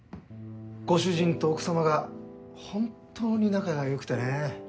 ご主人と奥様が本当に仲が良くてね。